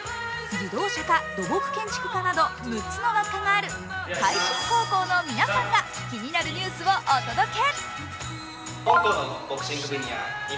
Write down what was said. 自動車科、土木建築科など３つの学科がある開新高校の皆さんが気になるニュースをお届け。